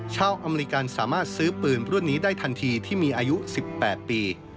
อเมริกันสามารถซื้อปืนรุ่นนี้ได้ทันทีที่มีอายุ๑๘ปี